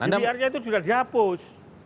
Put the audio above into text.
dprnya itu sudah dihapus